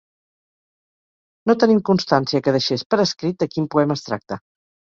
No tenim constància que deixés per escrit de quin poema es tracta.